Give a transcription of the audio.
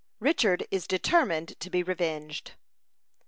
RICHARD IS DETERMINED TO BE REVENGED.